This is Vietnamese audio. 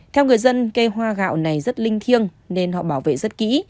theo người dân cây hoa gạo này rất linh thiêng nên họ bảo vệ rất kỹ